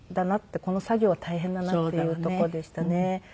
この作業は大変だなっていうとこでしたね。